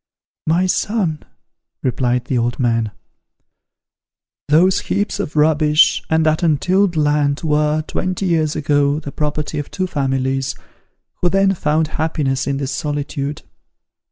"My son," replied the old man, "those heaps of rubbish, and that untilled land, were, twenty years ago, the property of two families, who then found happiness in this solitude.